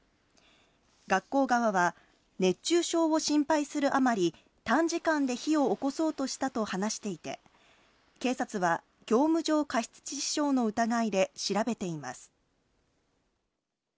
学校側は、熱中症を心配するあまり、短時間で火をおこそうとしたと話していて、警察は、業務上過失致死傷の疑いで調べています。